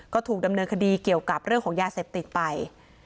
ก็ถูกดำเนินคดีเกี่ยวกับเรื่องของยาเสพติดไป